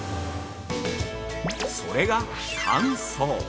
それが、乾燥。